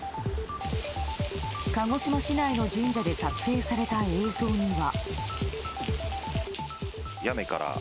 鹿児島市内の神社で撮影された映像には。